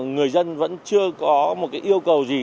người dân vẫn chưa có một yêu cầu gì